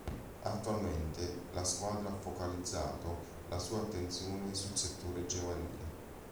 Attualmente la squadra ha focalizzato la sua attenzione sul settore giovanile.